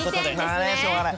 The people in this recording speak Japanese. あしょうがない。